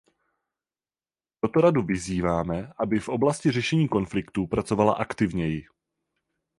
Proto Radu vyzýváme, aby v oblasti řešení konfliktů pracovala aktivněji.